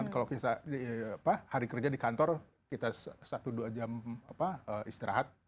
kalau hari kerja di kantor kita satu dua jam istirahat